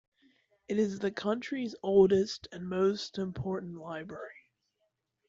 It is the country's oldest and most important library.